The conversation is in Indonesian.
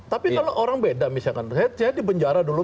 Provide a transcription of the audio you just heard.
tapi kalau orang beda misalkan saya di penjara dulu